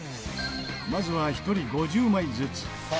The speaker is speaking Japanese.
まずは１人５０枚ずつ。